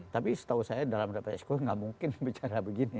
tapi setahu saya dalam data expo tidak mungkin bicara begini